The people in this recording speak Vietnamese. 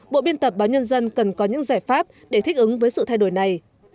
bộ biên tập báo nhân dân cần có những giải pháp để thích ứng với sự thay đổi này